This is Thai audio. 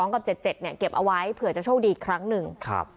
กับ๗๗เนี่ยเก็บเอาไว้เผื่อจะโชคดีอีกครั้งหนึ่ง